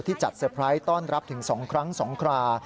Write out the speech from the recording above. จัดเตอร์ไพรส์ต้อนรับถึง๒ครั้ง๒ครา